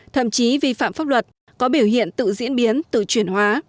thậm chí vi phạm pháp luật có biểu hiện tự diễn biến tự chuyển hóa